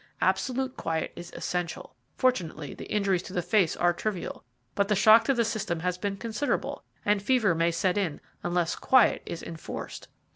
Absolute quiet is essential. Fortunately the injuries to the face are trivial, but the shock to the system has been considerable, and fever may set in unless quiet is enforced."